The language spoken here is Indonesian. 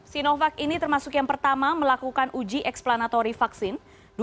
sinovac ini termasuk yang pertama melakukan uji explanatory vaksin